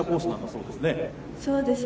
そうですね。